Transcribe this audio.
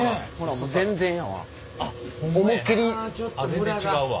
全然違うわ。